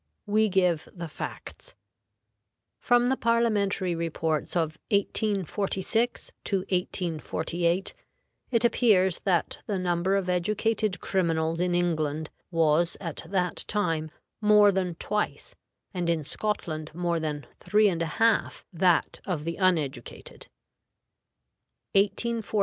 We give the facts. From the Parliamentary reports of 1846 1848, it appears that the number of educated criminals in England was at that time more than twice, and in Scotland more than three and a half that of the uneducated: ++| Years.